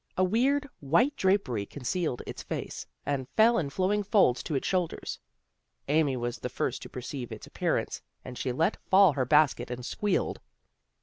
A weird, white drapery con cealed its face, and fell in flowing folds to its shoulders. Amy was the first to perceive its appearance and she let fall her basket and squealed.